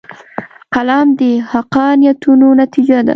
قلم د حقه نیتونو نتیجه ده